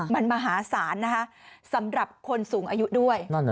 มันมหาศาลนะคะสำหรับคนสูงอายุด้วย